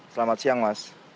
selamat siang mas